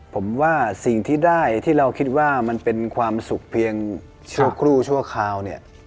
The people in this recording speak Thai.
ผมว่าสิ่งที่ได้ที่เราคิดว่ามันเป็นความสุขเพียงชั่วครู่ชั่วคราวเนี่ย